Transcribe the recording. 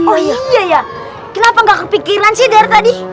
oh iya ya kenapa nggak kepikiran sih dar tadi